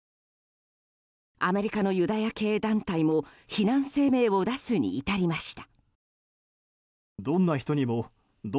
アメリカのユダヤ系団体も非難声明を出すに至りました。